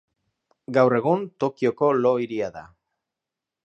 Gaur egun Tokioko lo-hiria da.